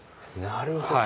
なるほど。